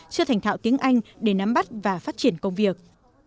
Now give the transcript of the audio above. chưa thành thạo tiếng anh để nắm bắt và phát triển công việc